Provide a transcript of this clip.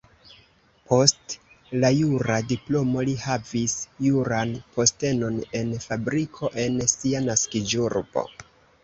Post la jura diplomo li havis juran postenon en fabriko en sia naskiĝurbo.